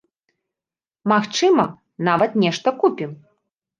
Магчыма, нават нешта купім.